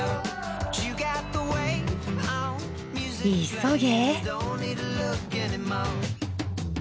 急げ。